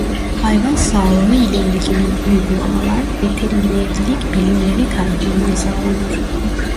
Hayvan sağlığı ile ilgili uygulamalar veterinerlik bilimleri tarafından sağlanır.